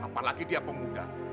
apalagi dia pemuda